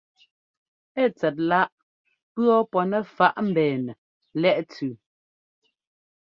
Ɛ́ tsɛt láꞌ pʉ̈ɔ́ pɔ́ nɛ faꞌ mbɛ́ɛnɛ lɛ́ꞌ tsʉʉ.